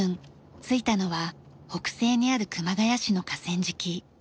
着いたのは北西にある熊谷市の河川敷。